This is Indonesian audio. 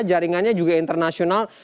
jaringannya juga internasional